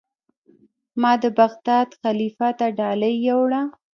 ما د بغداد خلیفه ته ډالۍ یووړه.